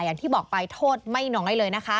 อย่างที่บอกไปโทษไม่น้อยเลยนะคะ